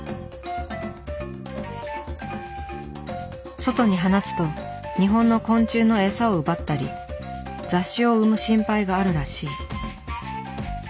外に放つと日本の昆虫の餌を奪ったり雑種を産む心配があるらしい。